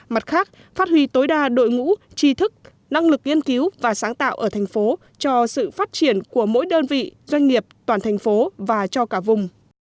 mặt khác phát huy tối đa đội ngũ trí thức năng lực nghiên cứu và sáng tạo ở thành phố cho sự phát triển của mỗi đơn vị doanh nghiệp toàn thành phố và cho cả vùng